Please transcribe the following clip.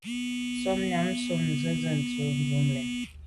Shutnyàm tshob nzenze ndù à bwôg lem.